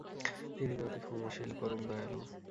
তিনি তো অতি ক্ষমাশীল, পরম দয়ালু।